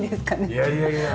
いやいやいや！